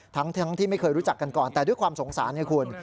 ทั้งที่ไม่เคยรู้จักกันก่อนแต่ด้วยความสงสารไงคุณ